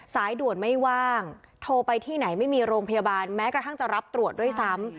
สายด่วนไม่ว่างโทรไปที่ไหนไม่มีโรงพยาบาลแม้กระทั่งจะรับตรวจด้วยซ้ำ